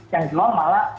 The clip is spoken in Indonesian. yang jual malah